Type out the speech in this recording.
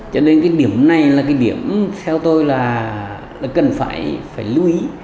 cho nên cái điểm này là cái điểm theo tôi là cần phải lưu ý